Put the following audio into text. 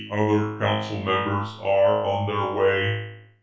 "The other Council Members are on their way.